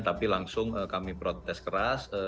tapi langsung kami protes keras